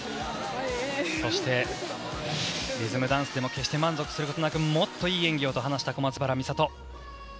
そして、リズムダンスでも決して満足することなくもっといい演技をと話した小松原美里。